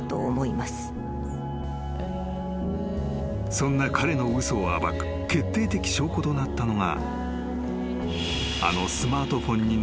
［そんな彼の嘘を暴く決定的証拠となったのが］